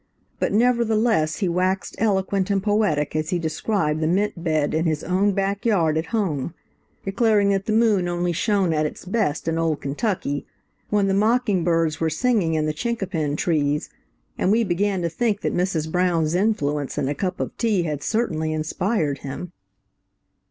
But nevertheless he waxed eloquent and poetic as he described the mint bed in his own back yard at home, declaring that the moon only shone at its best in old Kentucky, when the mocking birds were singing in the chinquepin trees, and we began to think that Mrs. Brown's influence and a cup of tea had certainly inspired him.